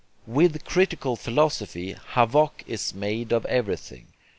With critical philosophy, havoc is made of everything.